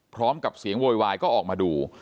พร้อมกับเสียงโวยวายก็ออกมาดู